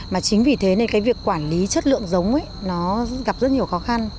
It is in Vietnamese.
mà chính vì thế nên cái việc quản lý chất lượng giống nó gặp rất nhiều khó khăn